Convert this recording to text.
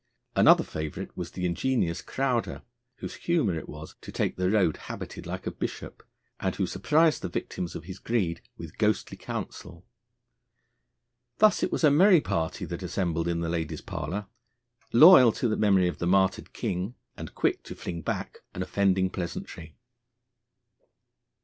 Another favourite was the ingenious Crowder, whose humour it was to take the road habited like a bishop, and who surprised the victims of his greed with ghostly counsel. Thus it was a merry party that assembled in the lady's parlour, loyal to the memory of the martyred king, and quick to fling back an offending pleasantry.